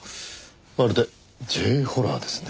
まるでＪホラーですね。